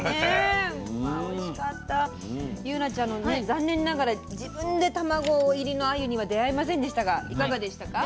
祐奈ちゃんのね残念ながら自分で卵入りのあゆには出会えませんでしたがいかがでしたか？